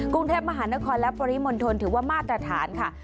กรุงเทพมหานครและปริมณฑลถือว่ามาตรฐานค่ะ